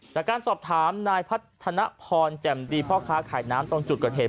จากการสอบถามนายพัฒนพรแจ่มดีพ่อค้าขายน้ำตรงจุดเกิดเหตุ